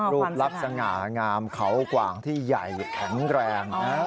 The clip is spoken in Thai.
รูปลักษณ์สง่างามเขากว่างที่ใหญ่แข็งแรง